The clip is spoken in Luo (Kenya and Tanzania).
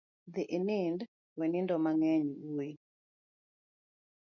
Dhi inindi we nindo mang'eny wuoi.